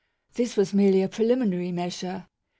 This was merely a preliminary measure.